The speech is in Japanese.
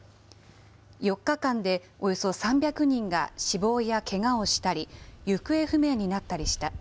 ４日間でおよそ３００人が死亡やけがをしたり、行方不明になったりした。